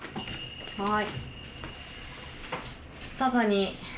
はい。